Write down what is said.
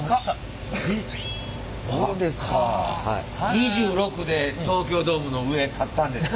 ２６で東京ドームの上立ったんですか。